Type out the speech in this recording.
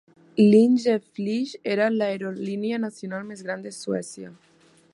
Linjeflyg era l'aerolínia nacional més gran de Suècia.